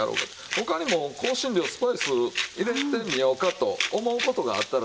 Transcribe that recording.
他にも香辛料スパイス入れてみようかと思う事があったら。